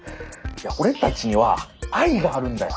俺たちには愛があるんだよ。